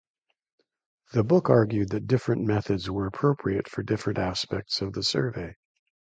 The book argued that different methods were appropriate for different aspects of the survey.